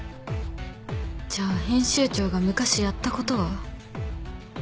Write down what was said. じゃあ編集長が昔やったことは？